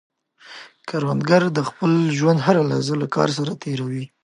کروندګر د خپل ژوند هره لحظه له کار سره تېر وي